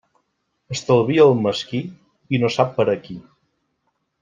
Estalvia el mesquí i no sap per a qui.